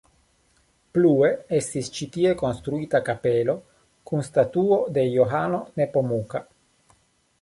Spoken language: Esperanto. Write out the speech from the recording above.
Plue estis ĉi tie konstruita kapelo kun statuo de Johano Nepomuka.